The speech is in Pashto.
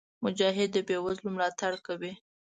مجاهد د بېوزلو ملاتړ کوي.